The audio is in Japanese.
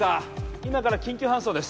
今から緊急搬送です